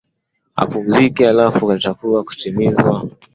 apumzika alafu tutakuwa tukiuliza maswali moja kwa moja